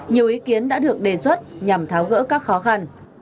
nhiều ý kiến đã được đề xuất nhằm tháo gỡ các khó khăn